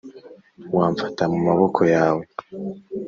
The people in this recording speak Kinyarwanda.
wamfata mu maboko yawe.